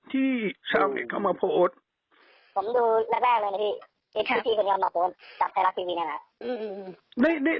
ที่ชาวเหง็ดเข้ามาโพสต์กับไทยรัฐทีวีนะครับ